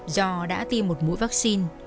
do đã tiêm một mũi vaccine